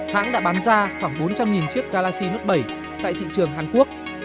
hãng đã bán ra khoảng bốn trăm linh chiếc galaxy nước bảy tại thị trường hàn quốc